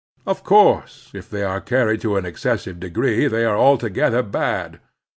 Of course, if they are carried to an excessive degree, they are altogether bad.